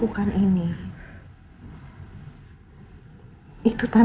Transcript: mereka baru ini dari kembali sudah